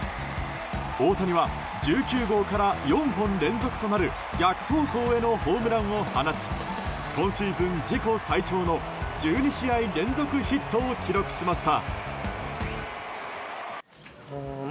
大谷は１９号から４本連続となる逆方向へのホームランを放ち今シーズン自己最長の１２試合連続ヒットを記録しました。